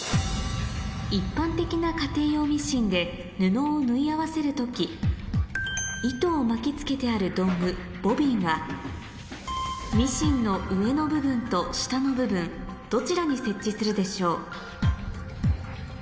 一般的な家庭用ミシンで布を縫い合わせる時糸を巻き付けてある道具ボビンはミシンの上の部分と下の部分どちらに設置するでしょう？